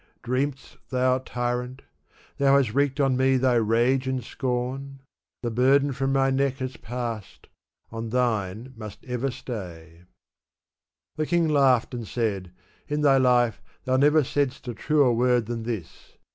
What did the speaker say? Dream'st thou, tyrant ! thou hast wreaked on me thy rage and scorn? The burthen from my neck has passed, on thine must ever stay. The king laughed and said, " In thy life thou never said'st a truer word than this."